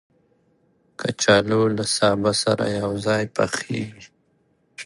کچالو له سابه سره یو ځای پخېږي